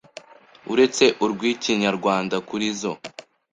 uretse urw’ikinyarwanda kuri zo,